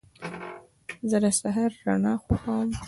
زه د سهار رڼا خوښوم.